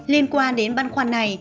liên quan đến băn khoăn này